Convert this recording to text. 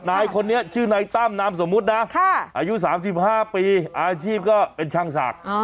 นายคนนี้ชื่อนายตั้มน้ำสมุดนะค่ะอายุสามสิบห้าปีอาชีพก็เป็นช่างสาท